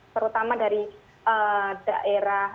terutama dari daerah